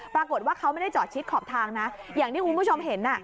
ปรากฏว่าเขาไม่ได้จอดชิดขอบทางนะอย่างที่คุณผู้ชมเห็น